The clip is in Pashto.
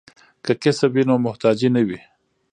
که کسب وي نو محتاجی نه وي.